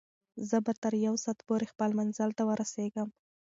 زه به تر یو ساعت پورې خپل منزل ته ورسېږم.